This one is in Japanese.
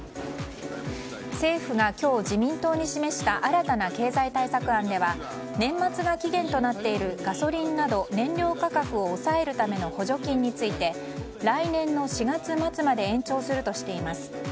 政府が今日、自民党に示した新たな経済対策案では年末が期限となっているガソリンなど燃料価格を抑えるための補助金について来年の４月末まで延長するとしています。